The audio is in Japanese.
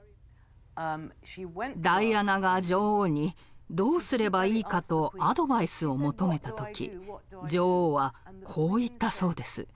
ダイアナが女王にどうすればいいかとアドバイスを求めた時女王はこう言ったそうです。